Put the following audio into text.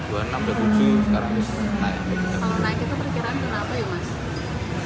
kalau naik itu perkiraan kenapa ya mas